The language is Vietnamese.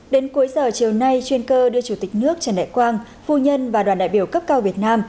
đến cuối giờ chiều nay chuyên cơ đưa chủ tịch nước trần đại quang phu nhân và đoàn đại biểu cấp cao việt nam